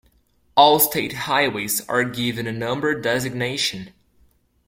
All state highways are given a number designation.